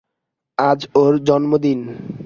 আজ ওর জন্মদিন।